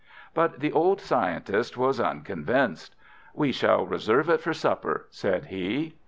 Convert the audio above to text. But the old scientist was unconvinced. "We shall reserve it for supper," said he.